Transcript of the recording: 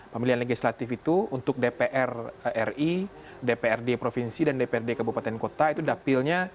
pemilihan legislatif itu untuk dpr ri dprd provinsi dan dprd kabupaten kota itu dapilnya